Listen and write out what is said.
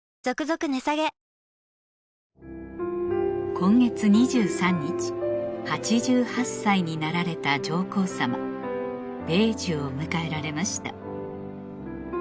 今月２３日８８歳になられた上皇さま米寿を迎えられました